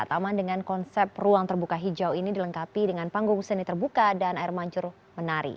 taman dengan konsep ruang terbuka hijau ini dilengkapi dengan panggung seni terbuka dan air mancur menari